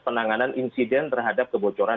penanganan insiden terhadap kebocoran